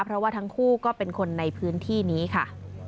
เพราะว่าทั้งคู่ก็เป็นคนในพื้นที่นี้ค่ะ